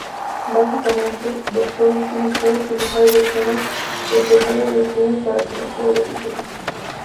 Básicamente, Doctor Destino puede utilizar versiones retorcidas de sueños para cometer delitos.